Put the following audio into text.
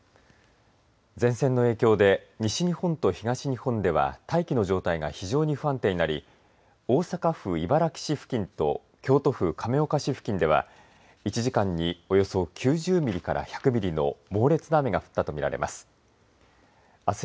前線の影響で西日本と東日本では大気の状態が非常に不安定になり大阪府茨木市付近と京都府亀岡市付近では１時間に、およそ９０ミリから１００ミリの猛烈な雨が降ったと見られます。